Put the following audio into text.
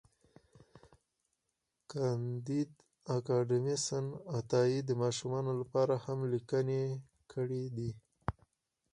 کانديد اکاډميسن عطایي د ماشومانو لپاره هم لیکني کړي دي.